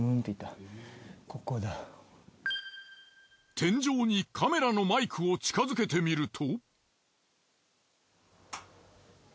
天井にカメラのマイクを近づけてみると。